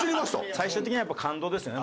最終的には感動ですよね。